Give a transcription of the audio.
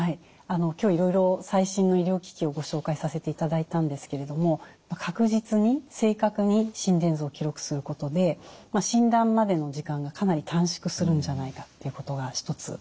今日いろいろ最新の医療機器をご紹介させていただいたんですけれども確実に正確に心電図を記録することで診断までの時間がかなり短縮するんじゃないかということが一つ。